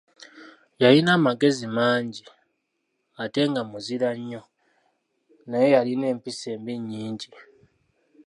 Yalina amagezi mangi, ate nga muzira nnyo, naye yalina empisa embi nnyingi.